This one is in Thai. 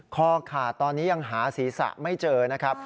คอขาดตอนนี้ยังหาศีรษะไม่เจอนะครับ